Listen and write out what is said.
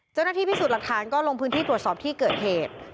เจ้าหน้าที่พิสูจน์หลักฐานก็ลงพื้นที่ตรวจสอบที่เกิดเหตุ